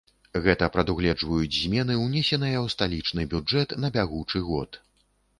Гэта прадугледжваюць змены, унесеныя ў сталічны бюджэт на бягучы год.